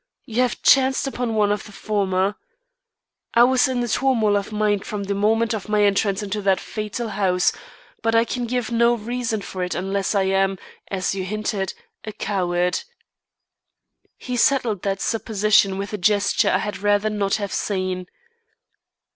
You have chanced upon one of the former. I was in a turmoil of mind from the moment of my entrance into that fatal house, but I can give no reason for it unless I am, as you hinted, a coward." He settled that supposition with a gesture I had rather not have seen.